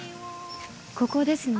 ここですね。